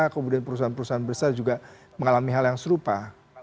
kemudian perusahaan perusahaan besar juga mengalami hal yang serupa